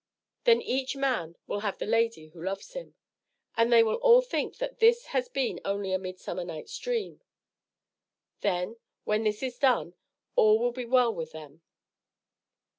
Then each man will have the lady who loves him, and they will all think that this has been only a Midsummer Night's Dream. Then when this is done, all will be well with them."